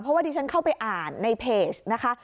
เพราะว่าดิฉันเข้าไปอ่านในเพจนะคะ